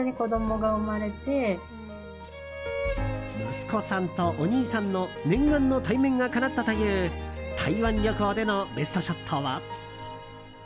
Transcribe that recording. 息子さんとお兄さんの念願の対面がかなったという台湾旅行でのベストショットは。